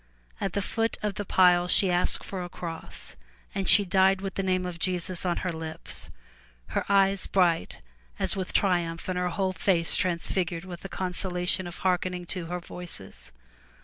At the foot of the pile, she asked for a cross, and she died with the name of Jesus on her lips, her eyes bright as with triumph and her whole face transfigured with the consolation of hearken ing to her Voices.